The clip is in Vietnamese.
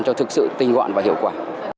cho thực sự tinh gọn và hiệu quả